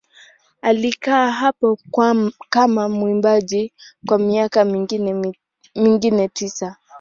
Alikaa hapo kama mwimbaji kwa miaka mingine tisa.